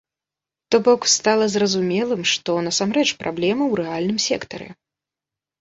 То бок стала зразумелым, што насамрэч праблема ў рэальным сектары.